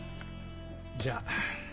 じゃあ。